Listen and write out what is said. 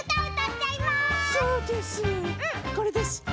これです。